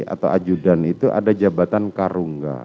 atau ajudan itu ada jabatan karungga